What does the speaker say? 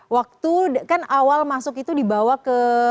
waktu kan awal masuk itu dibawa ke